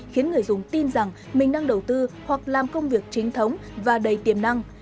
khiến người dùng tin rằng mình đang đầu tư hoặc làm công việc chính thống và đầy tiềm năng